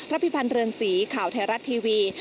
พิพันธ์เรือนสีข่าวไทยรัฐทีวี